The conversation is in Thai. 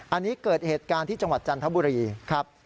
อันนี้เกิดเหตุการณ์ที่จังหวัดจันทบุรีครับ